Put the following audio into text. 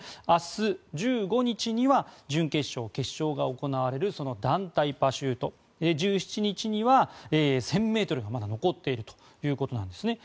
明日、１５日には準決勝、決勝が行われるその団体パシュート１７日には１０００ｍがまだ残っているということです。